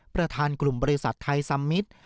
ประธานกลุ่มบริษัทไทยซัมมิตร